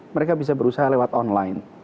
mereka bisa berusaha lewat online